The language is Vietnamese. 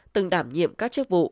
từng đảm nhiệm các chức vụ